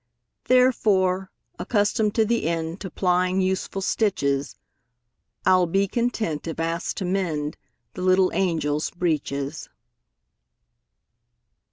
Therefore, accustomed to the endTo plying useful stitches,I 'll be content if asked to mendThe little angels' breeches.